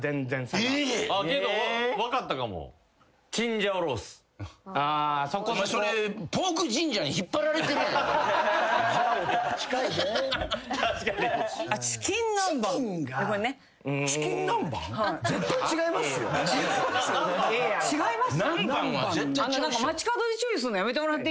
街角で注意すんのやめてもらっていいです？